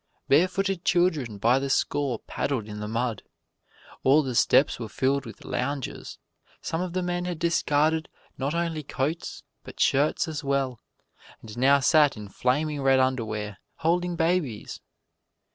Barefooted children by the score paddled in the mud. All the steps were filled with loungers; some of the men had discarded not only coats but shirts as well, and now sat in flaming red underwear, holding babies.